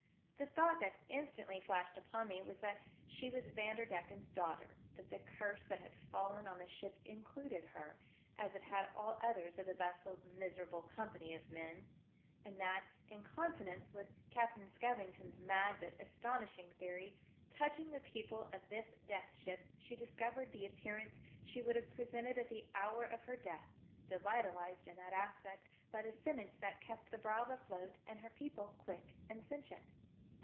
The thought that instantly flashed upon me was that she was Vanderdecken's daughter, that the Curse that had fallen on the ship included her, as it had all others of the vessel's miserable company of men, and that in con sonance with Captain Skevington's mad but astonishing theory, touching the people of this Death Ship, she discovered the appearance she would have presented at the hour of her death, though vitalised in that aspect by the sentence that kept the Braave afloat and her people quick and sentient.